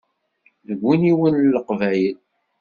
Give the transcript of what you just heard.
Deg uniwel n leqbayel.